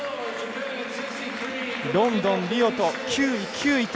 ロンドン、リオと９位、９位と。